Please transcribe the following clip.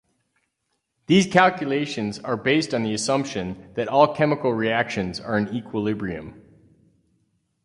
These calculations are based on the assumption that all chemical reactions are in equilibrium.